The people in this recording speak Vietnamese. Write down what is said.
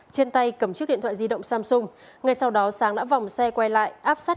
trên tay cầm chiếc điện thoại di động samsung ngay sau đó sáng đã vòng xe quay lại áp sát